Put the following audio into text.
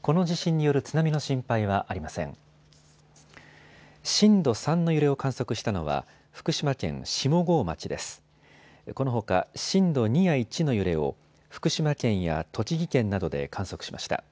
このほか震度２や１の揺れを福島県や栃木県などで観測しました。